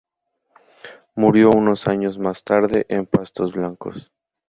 Murió unos años más tarde en Pastos Blancos.